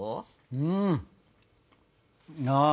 うんああ